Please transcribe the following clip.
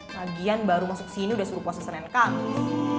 lagian baru masuk sini udah suruh puasa senen kemis